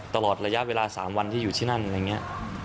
ตลอดระยะเวลา๓วันที่อยู่ที่นั่นอะไรอย่างนี้